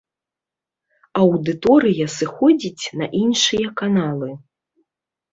Аўдыторыя сыходзіць на іншыя каналы.